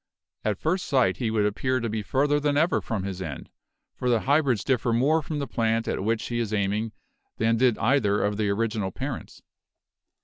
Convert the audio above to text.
At first sight he would appear to be further than ever from his end, for the hybrids differ more from the plant at which he is aiming than did either of the original parents.